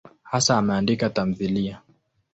Hasa ameandika tamthiliya.